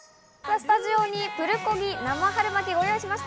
スタジオにプルコギ生春巻きをご用意しました。